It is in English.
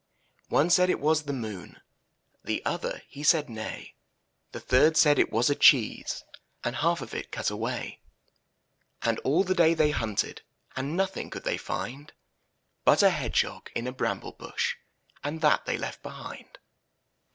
One said it was the moon, The other, he said nay; The third said it was a cheese. And half of it cut away. 48 I N THE NURSERY And all the day they hunted, And nothing could they find But a hedgehog in a bramble bush, And that they left behind.